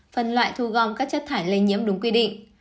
phân loại thu gom các chất thải lây nhiễm đúng quy định